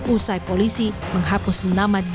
usai polisi menghapus nama